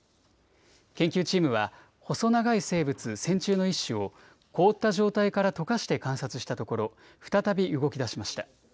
研究チームは細長い生物、線虫の一種を凍った状態からとかして観察したところ再び動きだしました。